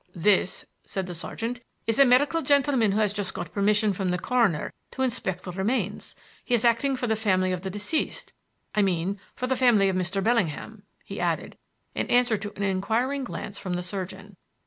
"This," said the sergeant, "is a medical gentleman who has got permission from the coroner to inspect the remains. He is acting for the family of the deceased I mean, for the family of Mr. Bellingham," he added in answer to an inquiring glance from the surgeon.